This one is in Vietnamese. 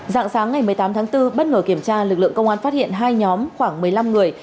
dạng sáng ngày một mươi tám tháng bốn bất ngờ kiểm tra lực lượng công an phát hiện hai nhóm khoảng một mươi năm người